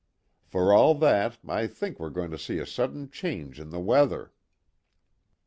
For all that, I think we're going to see a sudden change in the weather."